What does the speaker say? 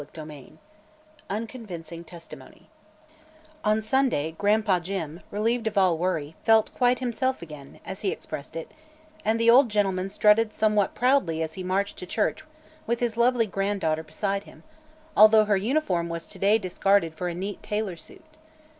CHAPTER V UNCONVINCING TESTIMONY On Sunday "Gran'pa Jim," relieved of all worry, felt "quite himself again," as he expressed it, and the old gentleman strutted somewhat proudly as he marched to church with his lovely granddaughter beside him, although her uniform was to day discarded for a neat tailor suit.